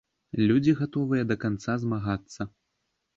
Людзі гатовыя да канца змагацца.